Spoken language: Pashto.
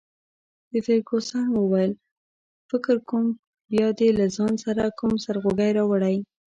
فرګوسن وویل: فکر کوم بیا دي له ځان سره کوم سرخوږی راوړی.